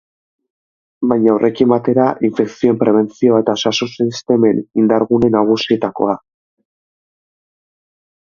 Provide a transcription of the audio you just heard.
Baina horrekin batera, infekzioen prebentzioa da osasun-sistemen indar-gune nagusietakoa.